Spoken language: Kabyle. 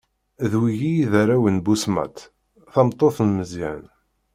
D wigi i d arraw n Busmat, tameṭṭut n Meẓyan.